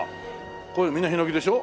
これみんなヒノキでしょ？